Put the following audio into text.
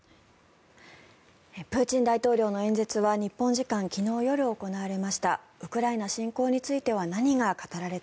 プーチン大統領の演説は日本時間昨日夜、行われました。